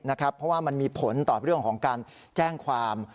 เพราะว่ามันมีผลต่อเรื่องของการแจ้งความ